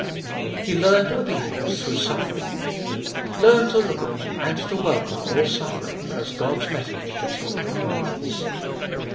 2. He learned obedience through suffering. Learn to looh upon and to welcome all suffering as God's message to teach obedience.